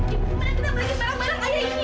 ibu mana kita pergi barang barang ayah ini